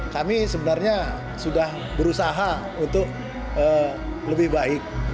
kami sebenarnya sudah berusaha untuk lebih baik